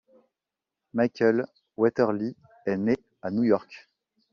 Michael Weatherly est né à New York.